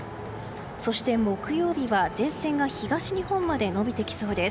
そして、木曜日は前線が東日本にまで延びてきそうです。